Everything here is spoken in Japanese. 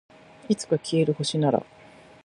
いつか消える星なら